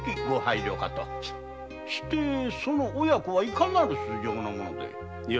してその親子はいかなる素性の者で？